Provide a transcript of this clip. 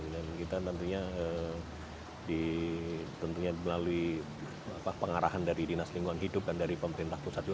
dan kita tentunya melalui pengarahan dari dinas lingkungan hidup dan dari pemerintah pusat juga